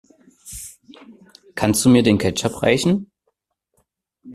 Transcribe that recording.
Kannst du mir den Ketchup reichen?